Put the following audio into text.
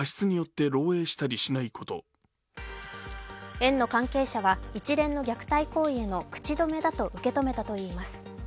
園の関係者は一連の虐待行為への口止めだと受け止めたといいます。